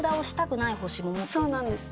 そうなんです。